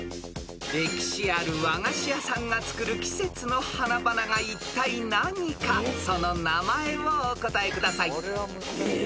［歴史ある和菓子屋さんが作る季節の花々がいったい何かその名前をお答えください］